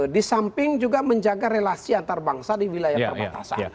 di samping juga menjaga relasi antarbangsa di wilayah perbatasan